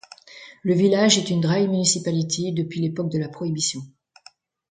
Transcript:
Le village est une dry municipality depuis l'époque de la prohibition.